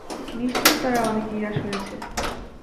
নিশ্চিত তারা অনেক নিরাশ হয়েছে।